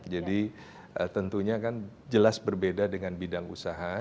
jadi tentunya kan jelas berbeda dengan bidang usaha